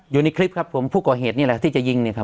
อยู่ในคลิปครับผมผู้ก่อเหตุนี่แหละที่จะยิงเนี่ยครับ